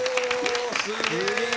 すげえ！